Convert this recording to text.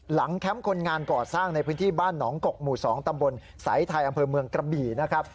แคมป์คนงานก่อสร้างในพื้นที่บ้านหนองกกหมู่๒ตำบลสายไทยอำเภอเมืองกระบี่นะครับ